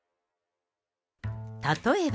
例えば。